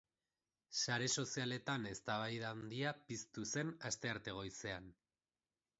Sare sozialetan eztabaida handia piztu zen astearte goizean.